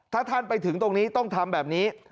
ถ้าท่านไปถึงตรงนี้ต้องทำแบบนี้